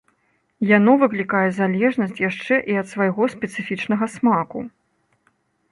Яно выклікае залежнасць яшчэ і ад свайго спецыфічнага смаку.